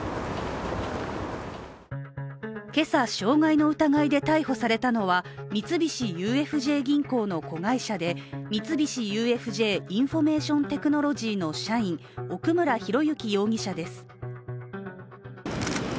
今朝、傷害の疑いで逮捕されたのは三菱ＵＦＪ銀行の子会社で三菱ＵＦＪインフォメーションテクノロジー社員、奥村啓志容疑者です。